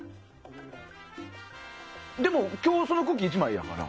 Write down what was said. でも、今日そのクッキー１枚やから。